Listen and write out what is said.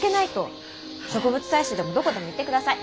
植物採集でもどこでも行ってください。